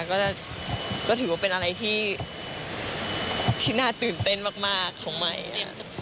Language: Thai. ก็ถือว่าเป็นอะไรที่น่าตื่นเต้นมากของใหม่